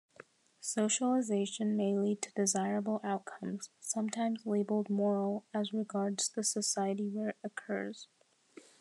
Socialization may lead to desirable outcomes-sometimes labeled "moral"-as regards the society where it occurs.